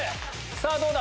さぁどうだ？